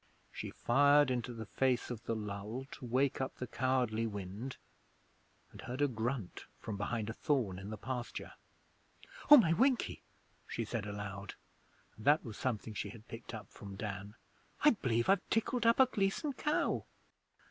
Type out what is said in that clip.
She fired into the face of the lull, to wake up the cowardly wind, and heard a grunt from behind a thorn in the pasture. 'Oh, my Winkie!' she said aloud, and that was something she had picked up from Dan. 'I b'lieve I've tickled up a Gleason cow.'